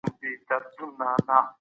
په ښه کور کې د پوهې لاره نه بندېږي.